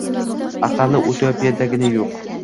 Aqalli, utopiyagina-da yo‘q!